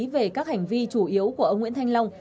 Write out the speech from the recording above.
về các hành vi chủ yếu của ông nguyễn thanh long